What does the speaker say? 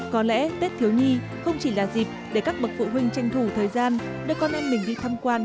có lẽ tết thiếu nhi không chỉ là dịp để các bậc phụ huynh tranh thủ thời gian đưa con em mình đi tham quan